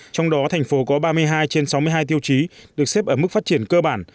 trong đó thành phố có ba mươi hai trên sáu mươi hai tiêu chí được xếp ở mức phát triển cơ bản